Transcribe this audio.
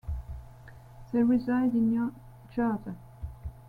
They reside in New Jersey.